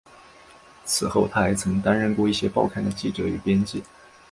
此后他还曾担任过一些报刊的记者与编辑。